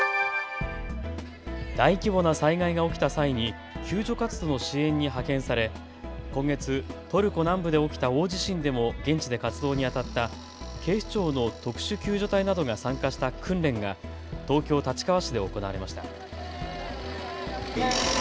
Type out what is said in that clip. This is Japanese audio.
大規模な災害が起きた際に救助活動の支援に派遣され今月トルコ南部で起きた大地震でも現地で活動にあたった警視庁の特殊救助隊などが参加した訓練が東京立川市で行われました。